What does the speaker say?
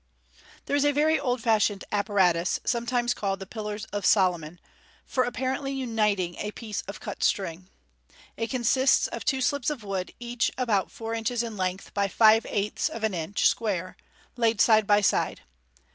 — There is a very old fashioned apparatus, sometimes called the Pillars of Solomon, for apparently uniting a piece of cut string. It consists of two slips of wood, each about four inches in length by five eighths of an inch square, laid side by side.